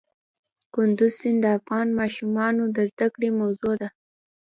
کندز سیند د افغان ماشومانو د زده کړې موضوع ده.